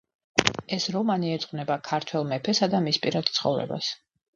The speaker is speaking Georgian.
ეს რომანი ეძღვნება ქართველ მეფესა და მის პირად ცხოვრებას.